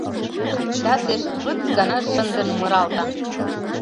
Чӓсеш вӹц гана шӹнзын мыралта